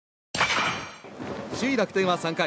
首位楽天は３回。